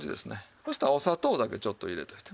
そしたらお砂糖だけちょっと入れておいて。